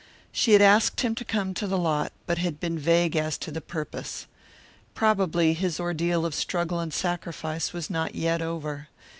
She had asked him to come to the lot, but had been vague as to the purpose. Probably his ordeal of struggle and sacrifice was not yet over.